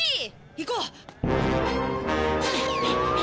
行こう！